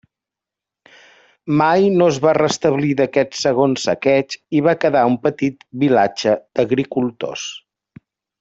Mai no es va restablir d'aquest segon saqueig i va quedar un petit vilatge d'agricultors.